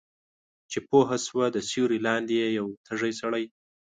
چې پوهه شوه د سیوری لاندې یې یو تږی سړی